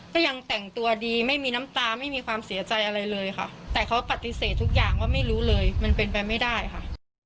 ก็ยังแต่งตัวดีไม่มีน้ำตาไม่มีความเสียใจอะไรเลยค่ะแต่เขาปฏิเสธทุกอย่างว่าไม่รู้เลยมันเป็นไปไม่ได้ค่ะ